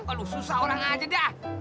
aduh susah orang aja dah